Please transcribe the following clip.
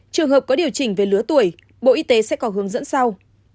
trường hợp có điều chỉnh về lứa tuổi bộ y tế sẽ có hướng dẫn sau